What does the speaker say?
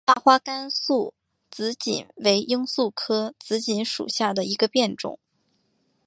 大花甘肃紫堇为罂粟科紫堇属下的一个变种。